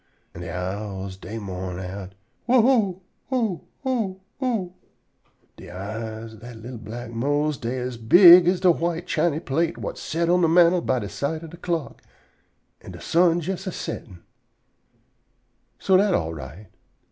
an' de owls dey mourn out, "You you o o o!" De eyes ob dat li'l black Mose dey as big as de white chiny plate whut set on de mantel by side de clock, an' de sun jes a settin'! So dat all right.